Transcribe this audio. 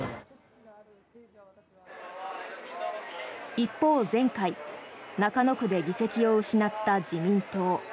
一方、前回中野区で議席を失った自民党。